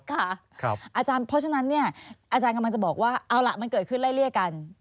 เพราะฉะนั้นอาจารย์กำลังจะบอกว่าเอาล่ะมันเกิดขึ้นละเอียดกัน